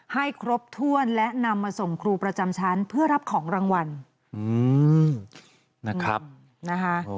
ให้ครบถ้วนและนำมาส่งครูประจำชั้นเพื่อรับของรางวัลนะครับนะคะ